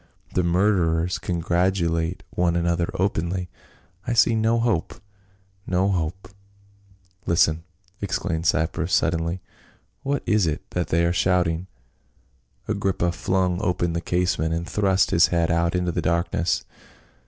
The murderers congratulate one another openly. I see no hope — no hope." "Listen!" exclaimed Cypros suddenly, "What is it that they are shouting?" Agrippa flung open the casement and thrust his head out into the darkness.